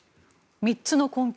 ３つの根拠